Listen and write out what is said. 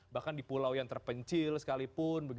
bahkan di pulau yang terpencil sekalipun